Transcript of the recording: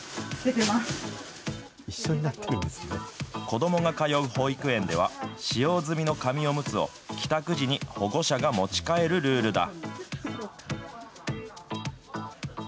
子どもが通う保育園では、使用済みの紙おむつを帰宅時に保護者が持ち帰るルールだ。